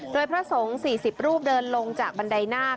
โดยพระสงฆ์๔๐รูปเดินลงจากบันไดนาค